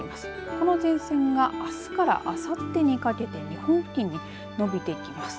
この前線があすからあさってにかけて日本付近に伸びてきます。